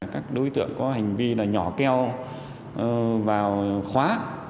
các đối tượng có hành vi là nhỏ keo vào khóa